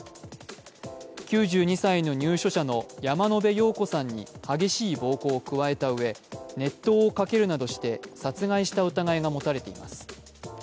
９２歳の入所者の山野辺陽子さんに激しい暴行を加えたうえ、熱湯をかけるなどして殺害した疑いが持たれています。